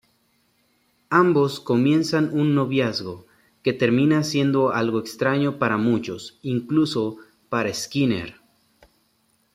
Ambos comienzan un noviazgo, que termina siendo algo extraño para muchos, incluso para Skinner.